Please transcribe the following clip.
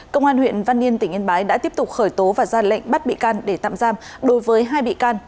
công an huyện văn yên tỉnh yên bái đã tiếp tục khởi tố và ra lệnh bắt bị can để tạm giam đối với hai bị can